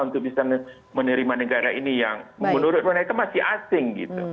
untuk bisa menerima negara ini yang menurut mereka masih asing gitu